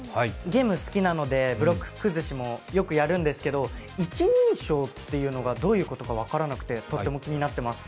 ゲーム好きなので、ブロック崩しもよくやるんですけど、一人称というのがどういうことか分からなくて、とっても気になっています。